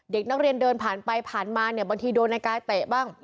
เด็กนักเรียนเดินผ่านไปผ่านมาเนี่ยบางทีโดนในกายเตะบ้าง